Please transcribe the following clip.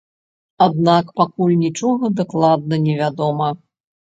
Аднак пакуль нічога дакладна не вядома.